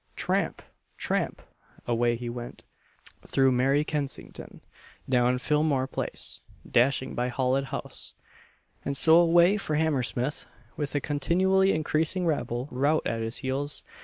Tramp! tramp! away he went, through merry Kensington, down Phillimore Place, dashing by Holland House, and so away for Hammersmith, with a continually increasing rabble rout at his heels.